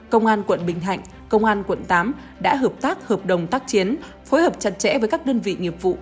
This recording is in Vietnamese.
công an tp hcm công an tp hcm đã hợp tác hợp đồng tác chiến phối hợp chặt chẽ với các đơn vị nghiệp vụ